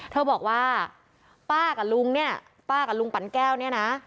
เธอบอกว่าป้ากับลุงเนี่ยป้ากับลุงปั่นแก้วเนี่ยนะ